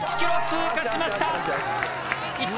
１ｋｍ通過しました。